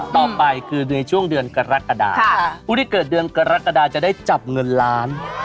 ต่อไปคือในช่วงเดือนกรกฎาผู้ที่เกิดเดือนกรกฎาจะได้จับเงินล้าน